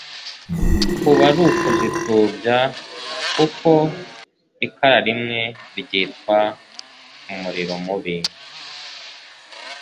kuba ari ukuzitubya, kuko ikara rimwe ryitwa umuriro mubi,